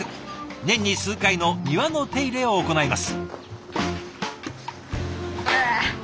年に数回の庭の手入れを行います。